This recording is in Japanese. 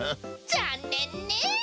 ざんねんね。